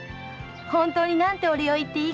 本当に何てお礼を言っていいか。